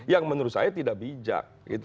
yang menurut saya tidak bijak